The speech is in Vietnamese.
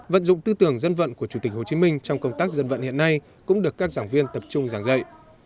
vận dụng tư tưởng dân vận của chủ tịch hồ chí minh trong công tác dân vận hiện nay cũng được các giảng viên tập trung giảng dạy